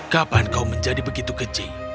kapan kau menjadi begitu kecil